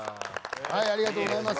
ありがとうございます。